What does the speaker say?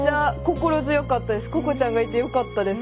ここちゃんがいてよかったです。